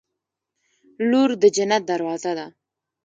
• لور د جنت دروازه ده.